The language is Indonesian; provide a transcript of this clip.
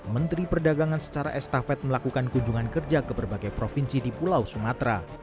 menteri perdagangan secara estafet melakukan kunjungan kerja ke berbagai provinsi di pulau sumatera